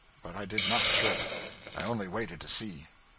But I did not chirp. I only waited to see.